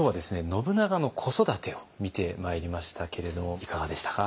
信長の子育てを見てまいりましたけれどいかがでしたか。